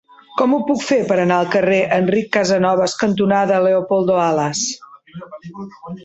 Com ho puc fer per anar al carrer Enric Casanovas cantonada Leopoldo Alas?